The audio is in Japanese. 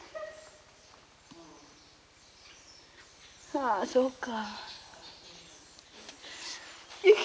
ああそうか。